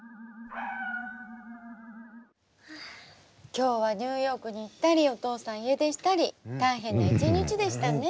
今日はニューヨークに行ったりお父さん家出したり大変な一日でしたね。